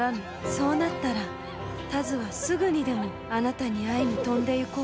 そうなったら田鶴はすぐにでもあなたに会いに飛んでゆこう。